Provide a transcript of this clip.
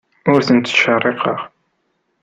Ur tent-ttcerriqeɣ.